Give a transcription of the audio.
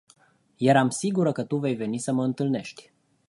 Eram sigura ca tu vei veni sa ma intalnesti.